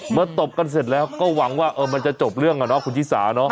ตบกันเสร็จแล้วก็หวังว่ามันจะจบเรื่องอ่ะเนาะคุณชิสาเนอะ